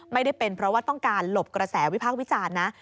ไม่ได้เป็นเพราะว่าต้องการหลบกระแสวิพากษ์วิจารณ์นะ